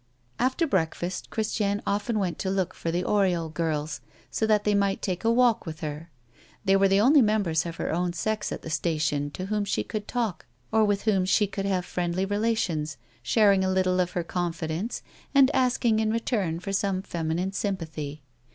After breakfast, Christiane often went to look for the Oriol girls, so that they might take a walk with her. They were the only members of her own sex at the station to whom she could talk or with whom she could have friendly relations, sharing a little of her confidence and asking in return for some feminine sympathy.